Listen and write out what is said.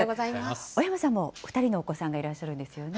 小山さんも２人のお子さんがいらっしゃるんですよね。